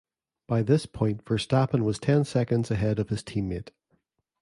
By this point Verstappen was ten seconds ahead of his teammate.